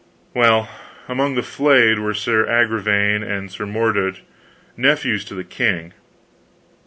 Well, among the flayed were Sir Agravaine and Sir Mordred, nephews to the king.